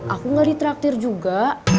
aku gak di traktir juga